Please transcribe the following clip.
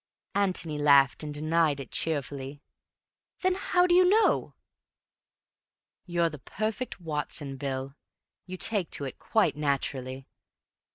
Antony laughed and denied it cheerfully. "Then how do you know?" "You're the perfect Watson, Bill. You take to it quite naturally.